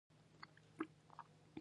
افغانستان يو لرغونی تاريخ لري